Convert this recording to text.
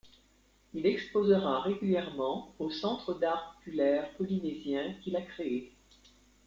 Il exposera régulièrement au Centre d'art populaire polynésien qu'il a créé.